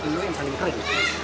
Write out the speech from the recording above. lo yang paling keren